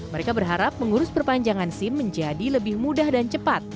mereka berharap mengurus perpanjangan sim menjadi lebih mudah dan cepat